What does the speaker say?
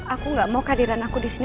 aku gak mau kehadiran aku disini